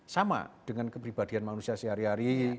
sama dengan kepribadian manusia sehari hari